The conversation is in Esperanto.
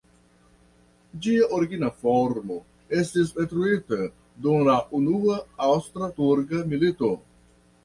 Ĝia origina formo estis detruita dum la Unua Aŭstra-Turka milito.